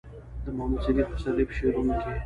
د محمد صديق پسرلي په شعرونو کې